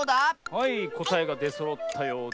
⁉はいこたえがでそろったようで。